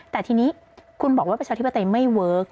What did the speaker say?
แต่ทีนี้คุณบอกว่าประชาชนิดประเทศไม่เวิร์ก